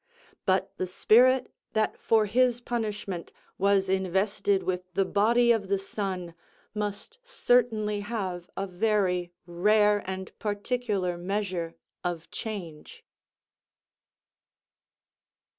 But the spirit that for his punishment was invested with the body of the sun must certainly have a very rare and particular measure of change.